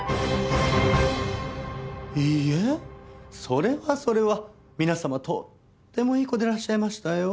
それはそれは皆様とってもいい子でいらっしゃいましたよ。